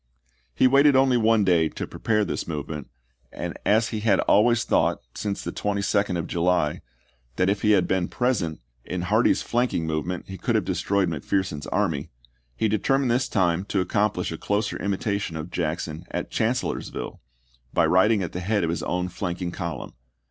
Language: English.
He waited only one day to pre pare this movement, and as he had always thought, since the 22d of July, that if he had been present in Hardee's flanking movement he could have destroyed McPherson's army, he de termined this time to accomplish a closer imita tion of Jackson at Chancellorsville, by riding at the head of his own flanking column.